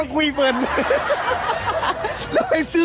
คือประเด็นคือ